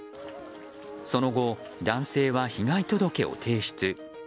その後、男性は被害届を提出。